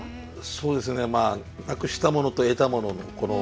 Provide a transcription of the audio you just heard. そうですねなくしたものと得たものの